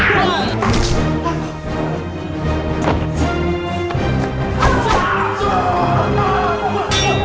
saya sudah mel uyuan oleh